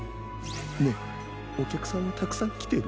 ねえおきゃくさんはたくさんきてる？